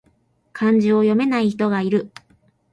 漢字を読めない人がいる